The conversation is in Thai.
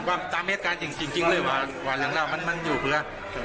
นั่นตามเหตุการณ์จริงเลยหว่าหลังเรามาอยู่เพื่อ